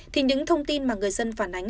thì những thông tin mà người dân phản ánh